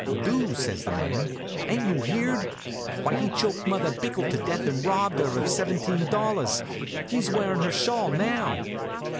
"Do!" says the man. "Ain't you heard? Why, he choked Mother Bickell to death and robbed her of seventeen dollars. He's wearin' her shawl now."